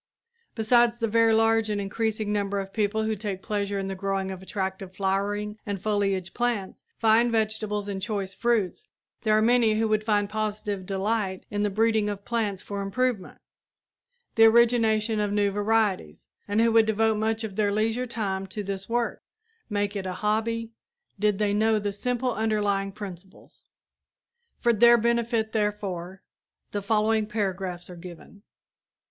Besides the very large and increasing number of people who take pleasure in the growing of attractive flowering and foliage plants, fine vegetables and choice fruits, there are many who would find positive delight in the breeding of plants for improvement the origination of new varieties and who would devote much of their leisure time to this work make it a hobby did they know the simple underlying principles. For their benefit, therefore, the following paragraphs are given.